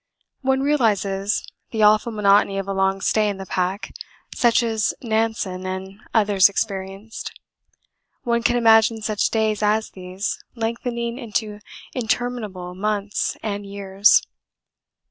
One realises the awful monotony of a long stay in the pack, such as Nansen and others experienced. One can imagine such days as these lengthening into interminable months and years.